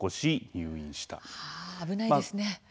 危ないですね。